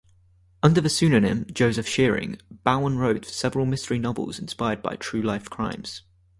Under the pseudonym "Joseph Shearing", Bowen wrote several mystery novels inspired by true-life crimes.